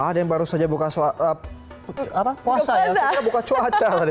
ada yang baru saja buka puasa ya sebenarnya buka cuaca